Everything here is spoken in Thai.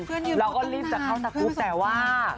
เพื่อนอยู่เพราะตั้งนานเราก็รีบจะเข้าสักครู่แต่ว่า